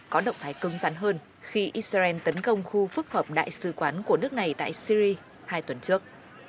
có động thái cứng rắn hơn khi israel tấn công khu phức hợp đại sứ quán của nước này tại syri hai tuần trước